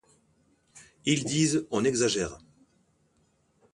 Ils disent: on exagère.